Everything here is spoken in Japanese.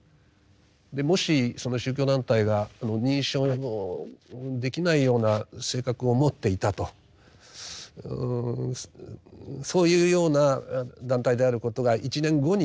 もしその宗教団体が認証できないような性格を持っていたとそういうような団体であることが１年後に判明してもですね